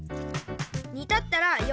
にたったらよ